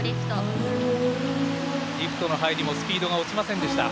リフトの入りもスピードが落ちませんでした。